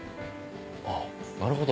あぁなるほど。